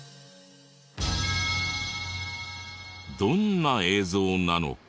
どんな映像なのか？